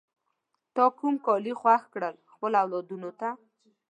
تا کوم کالی خوښ کړل خپلو اولادونو ته؟